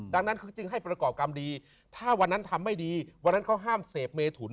ดังนั้นคือจึงให้ประกอบกรรมดีถ้าวันนั้นทำไม่ดีวันนั้นเขาห้ามเสพเมถุน